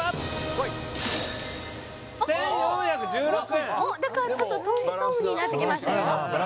こい１４１６円ちょっとトントンになってきましたよ